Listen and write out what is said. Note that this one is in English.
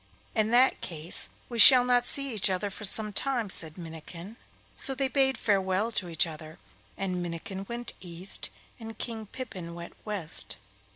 'In that case we shall not see each other for some time,' said Minnikin; so they bade farewell to each other, and Minnikin went east and King Pippin went west.